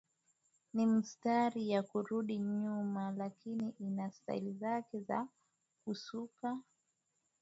ni mistari ya kurudi nyuma lakini ina style zake za kusuka